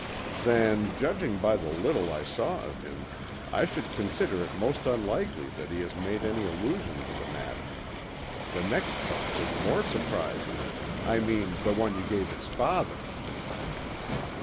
"Then, judging by the little I saw of him, I should consider it most unlikely that he has made any allusion to the matter. The next cheque was more surprising; I mean the one you gave his father."